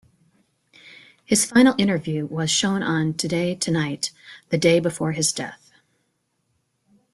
His final interview was shown on "Today Tonight" the day before his death.